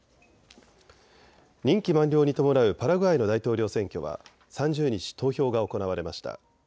任期満了に伴うパラグアイの大統領選挙は３０日、投票が行われました。